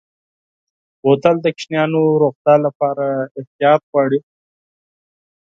بوتل د ماشومو روغتیا لپاره احتیاط غواړي.